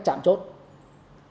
trạm chốt là cái tổ liên ngành